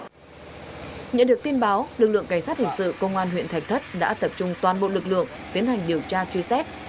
nhận được tin báo lực lượng cảnh sát hình sự công an huyện thạch thất đã tập trung toàn bộ lực lượng tiến hành điều tra truy xét